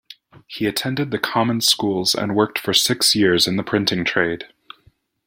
He attended the common schools and worked for six years in the printing trade.